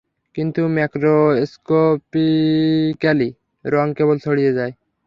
কিন্তু ম্যাক্রোস্কপিক্যালি রং কেবল ছড়িয়ে যায়।